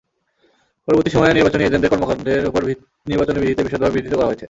পরবর্তী সময়ে নির্বাচনী এজেন্টদের কর্মকাণ্ডের ওপর নির্বাচনী বিধিতে বিশদভাবে বিধৃত করা হয়েছে।